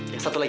yang satu lagi